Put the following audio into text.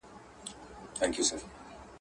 نه به په موړ سې نه به وتړې بارونه.